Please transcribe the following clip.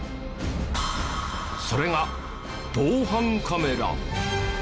それが防犯カメラ。